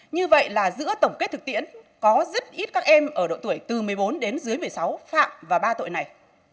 như vậy là giữa tổng kết thực tiễn có rất ít các em ở độ tuổi từ một mươi bốn đến dưới một mươi sáu phạm và ba tội này